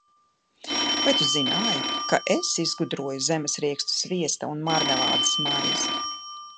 Vai tu zināji, ka es izgudroju zemesriekstu sviesta un marmelādes maizi?